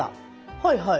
はいはい。